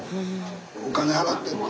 お金払ってって。